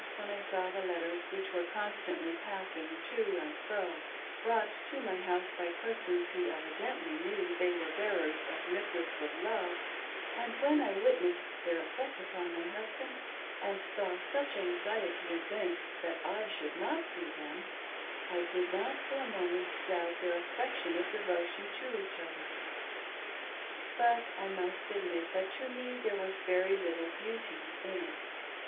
hen I saw the letters which were constantly pass ing to and fro, — brought to my house by persons who evidently knew they were bearers of missives of love, — and when I witnessed their effect upon my husband, and saw such anxiety evinced that / should not see them, I did not for a moment doubt their affectionate devotion to each other, but I must ad mit that to me there was very little " beauty" in it.